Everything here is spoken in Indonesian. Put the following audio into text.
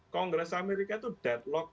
kongres amerika itu deadlock